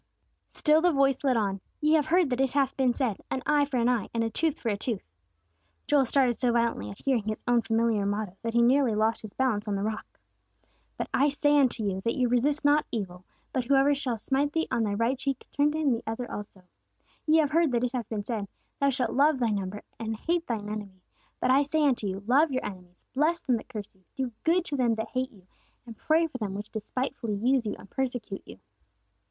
Still the voice led on, "Ye have heard that it hath been said, 'An eye for an eye and a tooth for a tooth.'" Joel started so violently at hearing his own familiar motto, that he nearly lost his balance on the rock. "But I say unto you that you resist not evil: but whosoever shall smite thee on thy right cheek, turn to him the other also.... Ye have heard that it hath been said, Thou shalt love thy neighbor, and hate thine enemy. But I say unto you, Love your enemies, bless them that curse you, do good to them that hate you, and pray for them which despitefully use you, and persecute you."